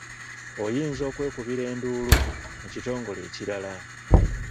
Oyinza okwekubira enduulu mu kitongole ekirala.